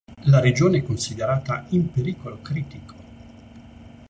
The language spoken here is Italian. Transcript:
La regione è considerata in pericolo critico.